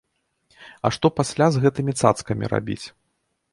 А што пасля з гэтымі цацкамі рабіць?